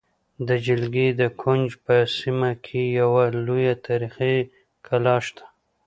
د جلگې د کونج په سیمه کې یوه لویه تاریخې کلا شته